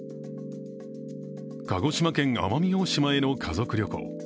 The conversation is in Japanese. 鹿児島県奄美大島への家族旅行。